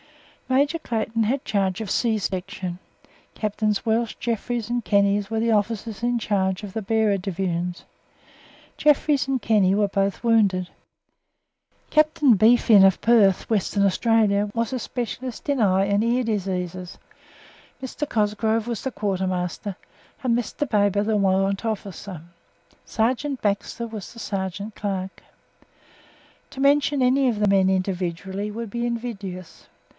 Major Clayton had charge of C Section; Captains Welch, Jeffries and Kenny were the officers in charge of the Bearer Divisions. Jeffries and Kenny were both wounded. Captain B. Finn, of Perth, Western Australia, was a specialist in eye and ear diseases. Mr. Cosgrove was the Quartermaster, and Mr. Baber the Warrant Officer; Sergeant Baxter was the Sergeant Clerk. To mention any of the men individually would be invidious.